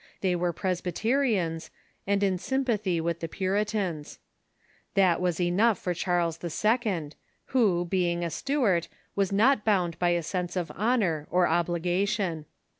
They were Presby terians, and in sympathy with the Puritans. That was enough for Charles II., who, being a Stuart, was not bound by a sense of lionor or obligation.